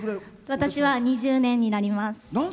私は２０年になります。